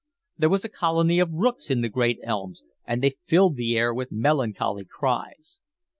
There was a colony of rooks in the great elms, and they filled the air with melancholy cries.